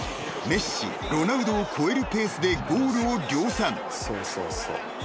メッシロナウドを超えるペースでゴールを量産］